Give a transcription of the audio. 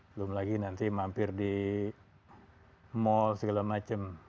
belum lagi nanti mampir di mall segala macam